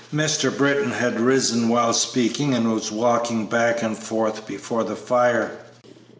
Mr. Britton had risen while speaking and was walking back and forth before the fire.